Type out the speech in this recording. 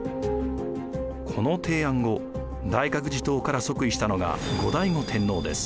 この提案後大覚寺統から即位したのが後醍醐天皇です。